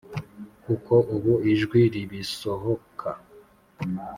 kuko ubu ijwi ntirisohoka."